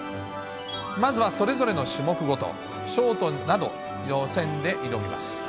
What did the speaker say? まずはそれぞれの種目ごと、ショートなど予選で挑みます。